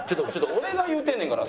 俺が言うてんねんから。